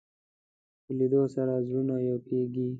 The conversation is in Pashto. په لیدلو سره زړونه یو کېږي